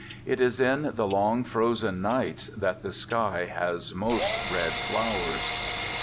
It is in the long, frozen nights that the sky has most red flowers.